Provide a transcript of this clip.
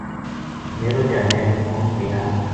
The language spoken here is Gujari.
میرو جاوید ہن ڈیرا